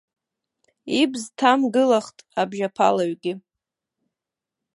Ибз ҭамгылахт абжьаԥалаҩгьы.